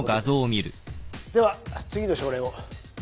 では次の症例を。